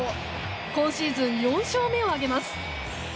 今シーズン４勝目を挙げます。